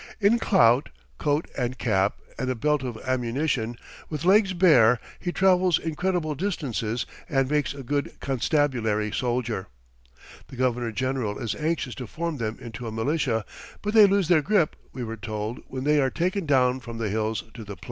In clout, coat and cap, and a belt of ammunition, with legs bare, he travels incredible distances and makes a good constabulary soldier. The Governor General is anxious to form them into a militia, but they lose their grip, we were told, when they are taken down from the hills to the plain.